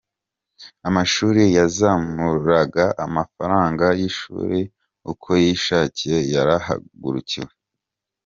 Amashuri yazamuraga amafaranga y’ishuri uko yishakiye yarahagurukiwe